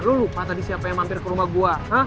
lu lupa tadi siapa yang mampir ke rumah gue